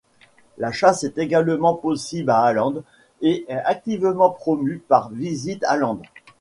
La chasse est également possible à Åland, et est activement promue par Visit Åland.